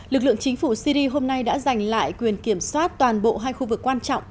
lực lượng chính phủ syri hôm nay đã giành lại quyền kiểm soát toàn bộ hai khu vực quan trọng